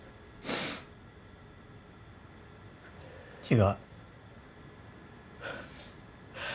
違う。